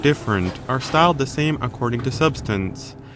different are styled the same according to substance.